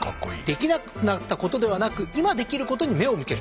できなくなったことではなく今できることに目を向ける。